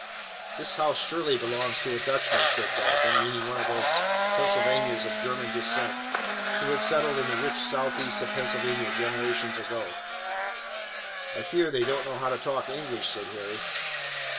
"This house surely belongs to a Dutchman," said Dalton, meaning one of those Pennsylvanians of German descent who had settled in the rich southeast of Pennsylvania generations ago. "I fear they don't know how to talk English," said Harry.